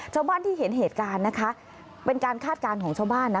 ชาวบ้านที่เห็นเหตุการณ์นะคะเป็นการคาดการณ์ของชาวบ้านนะ